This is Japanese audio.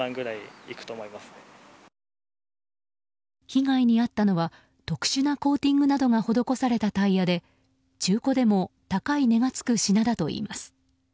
被害に遭ったのは特殊なコーティングなどが施されたタイヤで、中古でも高い値がつく品だといいます。